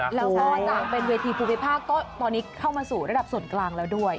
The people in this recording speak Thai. แล้วก็จากเป็นเวทีภูมิภาคก็ตอนนี้เข้ามาสู่ระดับส่วนกลางแล้วด้วย